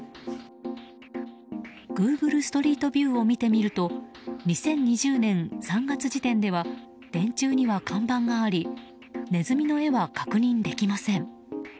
グーグルストリートビューを見てみると２０２０年３月時点では電柱には看板がありネズミの絵は確認できません。